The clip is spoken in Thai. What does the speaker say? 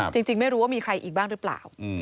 ไม่รู้ว่ามีใครอีกบ้างหรือเปล่า